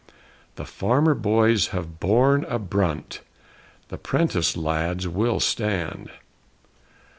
The farmer boys have borne a brunt, The 'prentice lads will stand!